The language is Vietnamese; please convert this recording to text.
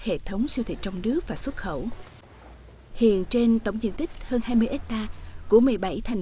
hệ thống siêu thị trong nước và xuất khẩu hiện trên tổng diện tích hơn hai mươi hectare của một mươi bảy thành